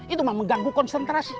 itu mah mengganggu konsentrasi